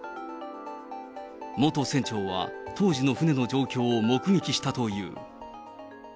元船長は、当時の船の状況を目撃したという。